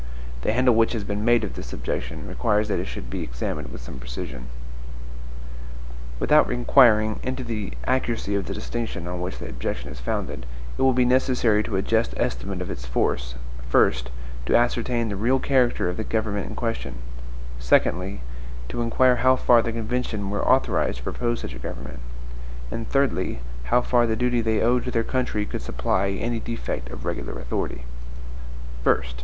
The handle which has been made of this objection requires that it should be examined with some precision. Without inquiring into the accuracy of the distinction on which the objection is founded, it will be necessary to a just estimate of its force, first, to ascertain the real character of the government in question; secondly, to inquire how far the convention were authorized to propose such a government; and thirdly, how far the duty they owed to their country could supply any defect of regular authority. First.